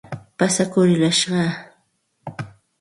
Pasakurillashqaa.